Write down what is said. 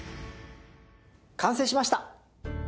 完成しました！